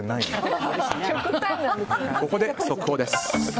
ここで速報です。